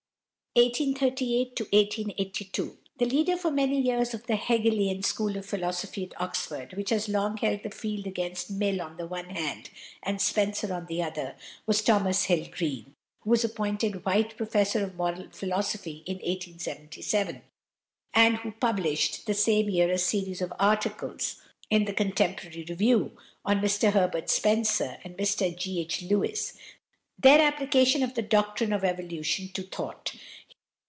The leader for many years of the "Hegelian" school of philosophy at Oxford, which has long held the field against Mill on the one hand and Spencer on the other, was =Thomas Hill Green (1838 1882)=, who was appointed Whyte Professor of Moral Philosophy in 1877, and who published the same year a series of articles in the Contemporary Review, on "Mr Herbert Spencer and Mr G. H. Lewes: their Application of the Doctrine of Evolution to Thought."